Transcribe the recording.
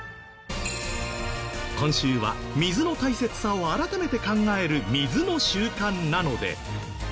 今週は水の大切さを改めて考える水の週間なので。